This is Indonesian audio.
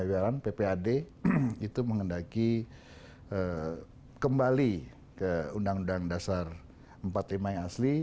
ppad itu mengendaki kembali ke undang undang dasar empat puluh lima yang asli